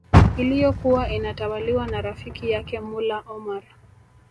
iliyokuwa inatawaliwa na rafiki yake Mullah Omar